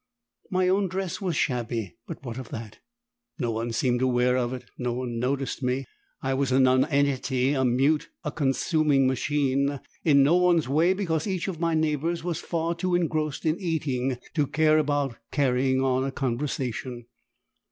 My own dress was shabby but what of that! No one seemed aware of it, no one noticed me; I was a nonentity, mute, a consuming machine; in no one's way because each of my neighbours was far too engrossed in eating to care about carrying on a conversation.